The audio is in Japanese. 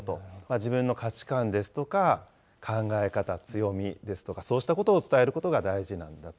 自分の価値観ですとか考え方、強みですとか、そうしたことを伝えることが大事なんだと。